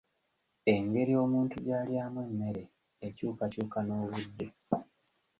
Engeri omuntu gy'alyamu emmere ekyukakyuka n'obudde.